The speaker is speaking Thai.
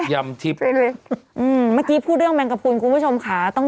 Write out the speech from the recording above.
ยำทิปอะไรก็ทิปกันหมดนะ